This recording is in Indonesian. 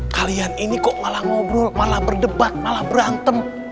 kalian ini kok malah ngobrol malah berdebat malah berantem